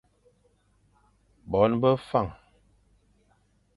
Bon be Fañ.